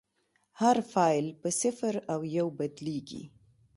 هر فایل په صفر او یو بدلېږي.